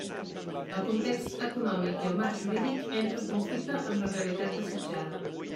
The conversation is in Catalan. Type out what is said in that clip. El context econòmic i el marc jurídic entra en conflicte amb la realitat desitjada.